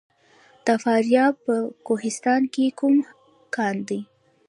د فاریاب په کوهستان کې کوم کان دی؟